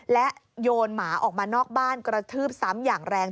และโยนหมาออกมานอกบ้านกระทืบซ้ำอย่างแรง